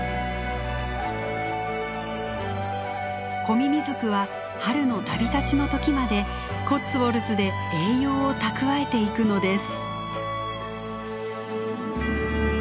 コミミズクは春の旅立ちの時までコッツウォルズで栄養を蓄えていくのです。